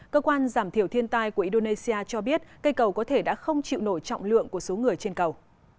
cơ quan giảm thiểu thiên tai của indonesia cho biết cây cầu có thể đã không chịu nổi trọng lượng của số người trên cầu